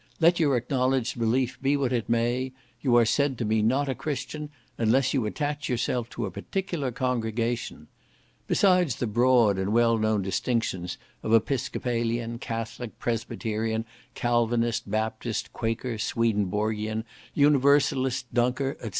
Let your acknowledged belief be what it may, you are said to be not a Christian, unless you attach yourself to a particular congregation. Besides the broad and well known distinctions of Episcopalian, Catholic, Presbyterian, Calvinist, Baptist, Quaker, Sweden borgian, Universalist, Dunker, &c.